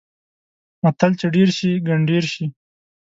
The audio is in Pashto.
متل: چې ډېر شي؛ ګنډېر شي.